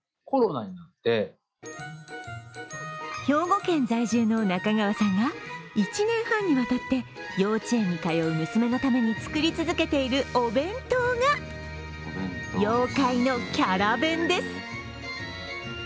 兵庫県在住の中川さんが１年半にわたって幼稚園に通う娘のために作り続けているお弁当が妖怪のキャラ弁です。